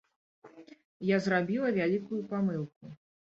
Я зрабіла вялікую памылку.